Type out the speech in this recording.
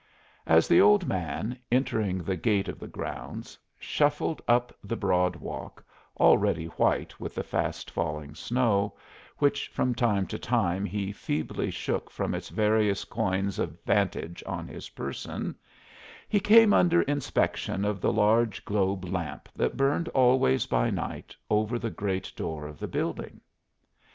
As the old man, entering the gate of the grounds, shuffled up the broad walk, already white with the fast falling snow, which from time to time he feebly shook from its various coigns of vantage on his person, he came under inspection of the large globe lamp that burned always by night over the great door of the building.